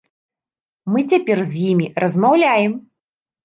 Мы цяпер з імі размаўляем.